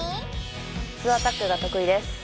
ツーアタックが得意です